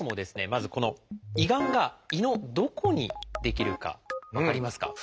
まずこの胃がんが胃のどこに出来るか分かりますか？